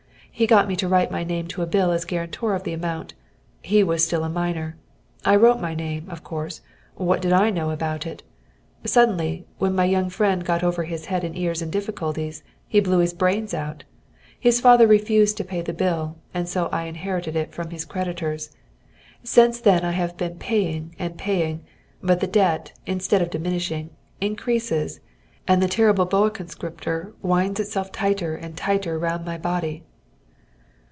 He got me to write my name to a bill as guarantor of the amount. He was still a minor. I wrote my name, of course what did I know about it? Suddenly, when my young friend got over head and ears in difficulties, he blew his brains out. His father refused to pay the bill, and so I inherited it from his creditors. Since then I have been paying and paying, but the debt, instead of diminishing, increases, and the terrible boa conscriptor winds itself tighter and tighter round my body."